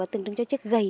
tương trứng cho chiếc gầy